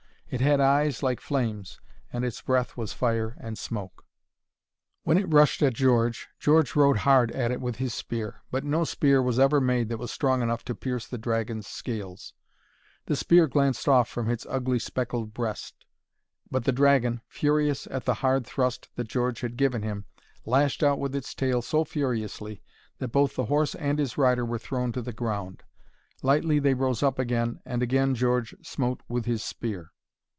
It had eyes like flames, and its breath was fire and smoke. When it rushed at George, George rode hard at it with his spear. But no spear was ever made that was strong enough to pierce that dragon's scales. The spear glanced off from its ugly, speckled breast, but the dragon, furious at the hard thrust that George had given him, lashed out with its tail so furiously that both the horse and his rider were thrown to the ground. Lightly they rose up again, and again George smote with his spear.